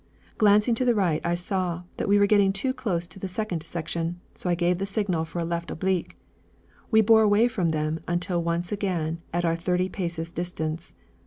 Glancing to the right, I saw that we were getting too close to the second section, so I gave the signal for a left oblique. We bore away from them until once again at our thirty paces distance.